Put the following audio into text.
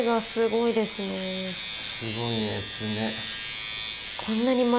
すごいね爪。